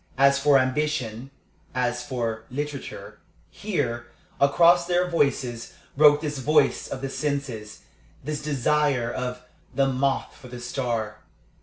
As for ambition, as for literature here, across their voices, broke this voice of the senses, this desire of "the moth for the star."